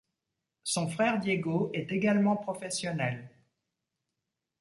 Son frère Diego est également professionnel.